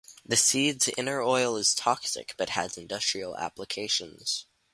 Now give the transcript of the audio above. The seed's inner oil is toxic but has industrial applications.